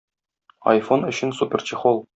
Айфон өчен суперчехол